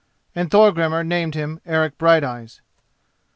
And Thorgrimur named him Eric Brighteyes.